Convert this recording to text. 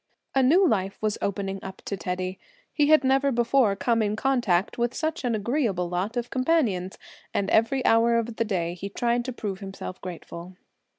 A new life was opening up to Teddy. He had never before come in contact with such an agreeable lot of companions and every hour of the day he tried to prove himself grateful.